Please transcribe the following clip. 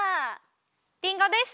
リンゴです！